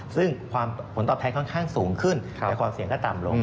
ซึ่งผลตอบแทนค่อนข้างสูงขึ้นแต่ความเสี่ยงก็ต่ำลง